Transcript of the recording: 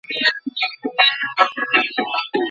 د عامې روغتیا وزارت څه مسولیتونه لري؟